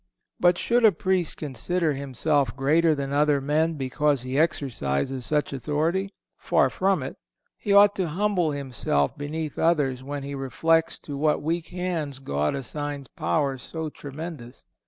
But should a Priest consider himself greater than other men because he exercises such authority? Far from it. He ought to humble himself beneath others when he reflects to what weak hands God assigns power so tremendous.